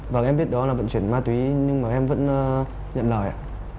và các em biết đó là vận chuyển ma túy nhưng mà em vẫn nhận lời ạ